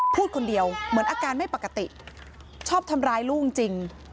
พูดคนเดียวเหมือนอาการไม่ปกติชอบทำร้ายลูกจริง